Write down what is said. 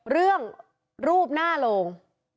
เรื่องรูปหน้าโลง